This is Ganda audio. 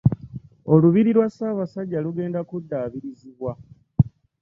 Olubiri lwa Ssabasajja lugenda kuddaabirizibwa.